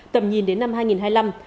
tầm nhìn đến năm hai nghìn hai mươi năm